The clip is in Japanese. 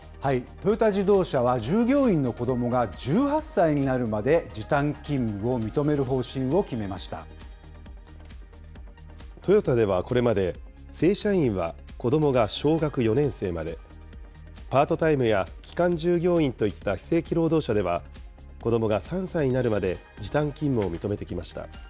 トヨタ自動車は、従業員の子どもが１８歳になるまで、時短勤トヨタではこれまで、正社員は子どもが小学４年生まで、パートタイムや期間従業員といった非正規労働者では子どもが３歳になるまで時短勤務を認めてきました。